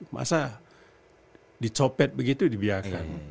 masa dicopet begitu dibiarkan